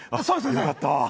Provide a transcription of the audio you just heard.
よかった。